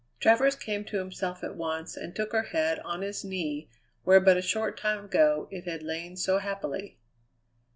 Travers came to himself at once, and took her head on his knee where but a short time ago it had lain so happily.